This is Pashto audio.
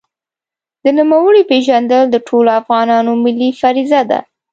د نوموړي پېژندل د ټولو افغانانو ملي فریضه ده.